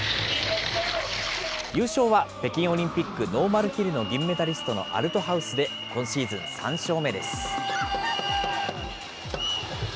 優勝は北京オリンピック、ノーマルヒルの銀メダリストのアルトハウスで、今シーズン３勝目です。